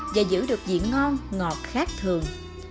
và giữ được vị ngon ngọt khác thường